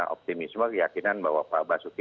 optimisme keyakinan bahwa pak basuki